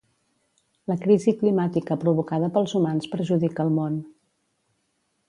La crisi climàtica provocada pels humans perjudica el món.